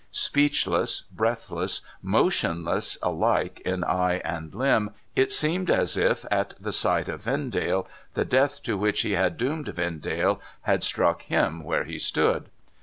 Speechless, breathless, motionless alike in eye and limb, it seemed as if, at the sight of Vendalc, the death to which he had doomed Vendale had struck him where he stood.